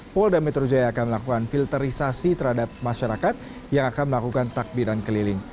polda metro jaya akan melakukan filterisasi terhadap masyarakat yang akan melakukan takbiran keliling